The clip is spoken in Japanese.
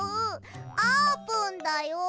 あーぷんだよ！